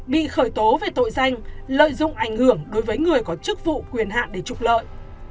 bị khởi tố về tội danh lợi dụng ảnh hưởng đối với người có chức vụ quyền hạn để trục lợi